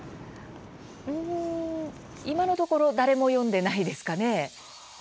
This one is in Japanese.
今のところ誰も読んでいないですかね。